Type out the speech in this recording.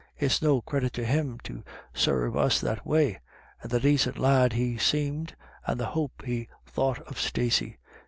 It's no credit to him to sarve us that way. And the dacint lad he seemed, and the hape he thought of Stacey.